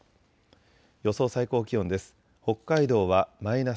予想最高気温です。